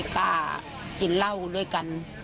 ก็กินเหล้าด้วยกัน